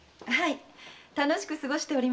楽しく過ごしております。